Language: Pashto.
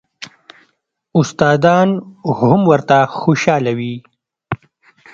استادان هم ورته خوشاله وي.